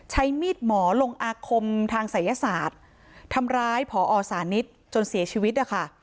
ใช้มีดหมอลงอาคมทางศัยศาสตร์ทำร้ายผอสานิทจนเสียชีวิตนะคะ